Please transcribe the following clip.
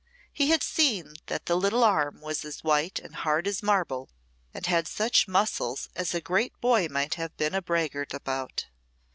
He had seen that the little arm was as white and hard as marble, and had such muscles as a great boy might have been a braggart about.